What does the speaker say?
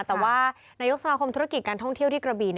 แต่ว่านายกสมาคมธุรกิจการท่องเที่ยวที่กระบี่